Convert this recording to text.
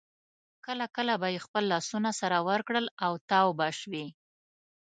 کله کله به یې خپل لاسونه سره ورکړل او تاو به شوې.